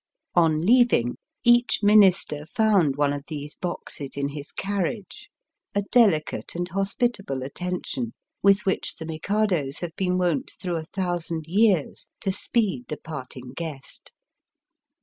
On leaving, each Minister found one of these boxes in his carriage — a delicate and hospit able attention with which the Mikados have been wont through a thousand years to speed the parting guest.